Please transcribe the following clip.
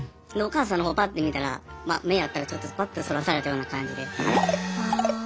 でお母さんのほうパッて見たらまあ目合ったらちょっとパッとそらされたような感じで。